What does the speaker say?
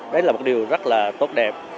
đấy là một điều rất là tốt đẹp